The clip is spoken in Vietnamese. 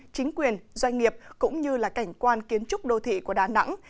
chính quyền doanh nghiệp cũng như là cảnh quan kiến trúc đô thị của đà nẵng